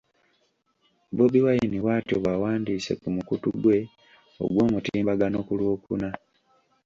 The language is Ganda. Bobi Wine bw’atyo bw’awandiise ku mukutu gwe ogw’omutimbagano ku Lwokuna.